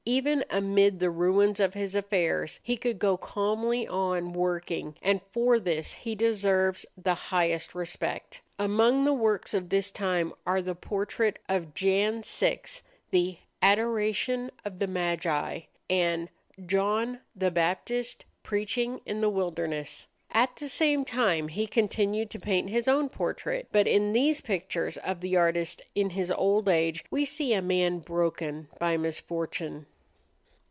Even amid the ruins of his affairs he could go calmly on working; and for this he deserves the highest respect. Among the works of this time are the portrait of Jan Six, the "Adoration of the Magi," and "John the Baptist Preaching in the Wilderness." At the same time he continued to paint his own portrait; but in these pictures of the artist in his old age we see a man broken by misfortune.